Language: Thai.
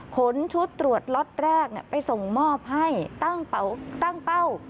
ขนชุดตรวจล็อตแรกไปส่งมอบให้ตั้งเป้า